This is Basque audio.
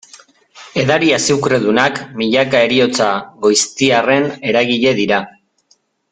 Edari azukredunak, milaka heriotza goiztiarren eragile dira.